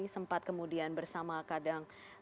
sempat kemudian bersama kadang